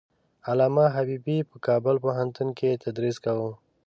علامه حبيبي په کابل پوهنتون کې تدریس کاوه.